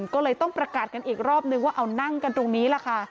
ก็เลยต้องประกาศกันอีกรอบนึงว่าเอานั่งกันตรงนี้แหละค่ะ